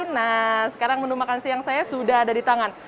nah sekarang menu makan siang saya sudah ada di tangan